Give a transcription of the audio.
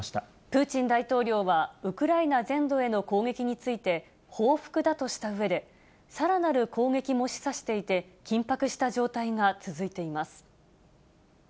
プーチン大統領は、ウクライナ全土への攻撃について、報復だとしたうえで、さらなる攻撃も示唆していて、緊迫した状態が続いています。